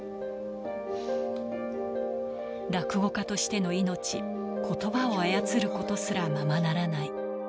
落語家としての命、ことばを操ることすらままならない。